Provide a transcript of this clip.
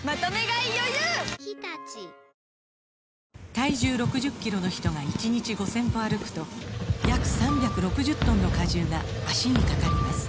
体重６０キロの人が１日５０００歩歩くと約３６０トンの荷重が脚にかかります